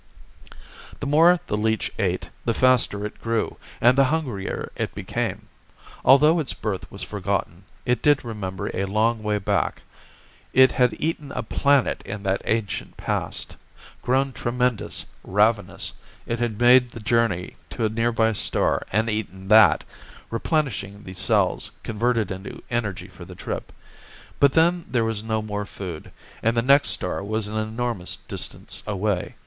The more the leech ate, the faster it grew and the hungrier it became. Although its birth was forgotten, it did remember a long way back. It had eaten a planet in that ancient past. Grown tremendous, ravenous, it had made the journey to a nearby star and eaten that, replenishing the cells converted into energy for the trip. But then there was no more food, and the next star was an enormous distance away.